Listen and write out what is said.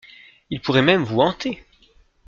Il pourrait même vous hanter?